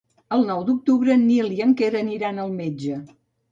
El nou d'octubre en Nil i en Quer aniran al metge.